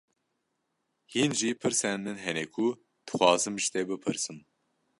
Hîn jî pirsên min hene ku dixwazim ji te bipirsim.